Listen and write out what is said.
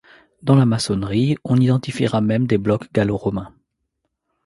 Dans la maçonnerie, on identifiera même des blocs gallo-romains.